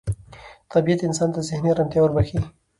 طبیعت انسان ته ذهني ارامتیا وربخښي